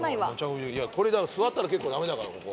座ったら結構駄目だからここ。